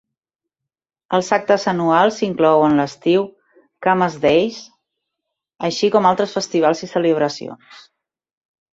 Els actes anuals inclouen l'estiu "Camas Days", així com altres festivals i celebracions.